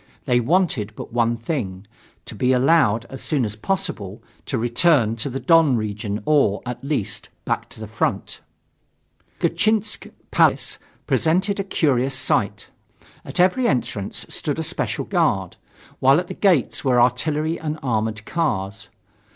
They wanted but one thing: to be allowed as soon as possible to return to the Don region or, at least, back to the front. The Gatchinsk Palace presented a curious sight. At every entrance stood a special guard, while at the gates were artillery and armored cars.